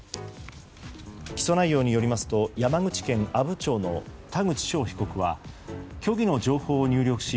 起訴内容によりますと山口県阿武町の田口翔被告は虚偽の情報を入力し